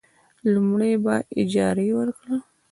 لومړی: په اجارې ورکړه.